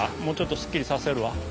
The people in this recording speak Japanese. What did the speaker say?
もうちょっとすっきりさせるわ。